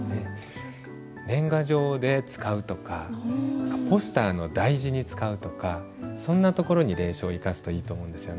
年賀状で使うとかポスターの題字に使うとかそんなところに隷書を生かすといいと思うんですよね。